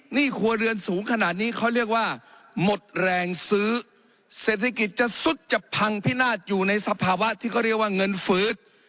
ครัวเรือนสูงขนาดนี้เขาเรียกว่าหมดแรงซื้อเศรษฐกิจจะสุดจะพังพินาศอยู่ในสภาวะที่เขาเรียกว่าเงินฟื้น